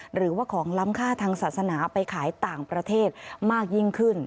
หรือว่าของล้ำค่าทางศาสนาไปขายต่างประเทศมากยิ่งขึ้น